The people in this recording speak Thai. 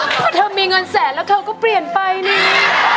เพราะเธอมีเงินแสนแล้วเธอก็เปลี่ยนไปนี่